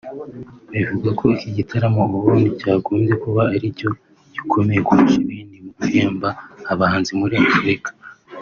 Bivuga ko iki gitaramo ubundi cyagombye kuba ari cyo gikomeye kurusha ibindi mu guhemba abahanzi muri Afurika